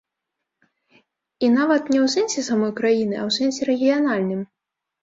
І нават не ў сэнсе самой краіны, а ў сэнсе рэгіянальным.